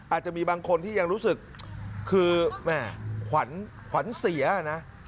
อาจจะมีบางคนที่ยังรู้สึกคือแม่ขวัญเสียนะ